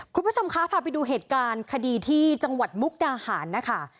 คุณผู้ชมคะพาไปดูเหตุการณ์คดีที่จังหวัดมุกดาหารนะคะ